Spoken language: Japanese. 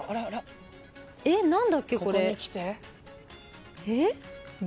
えっ何だっけこれ？